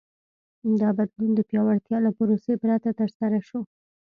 دا بدلون د پیاوړتیا له پروسې پرته ترسره شو.